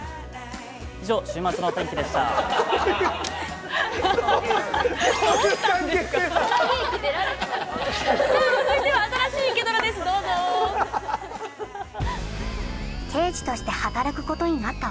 以上、週末のお天気でした。